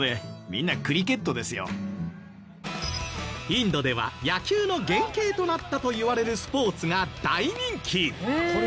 インドでは野球の原型となったといわれるスポーツが大人気！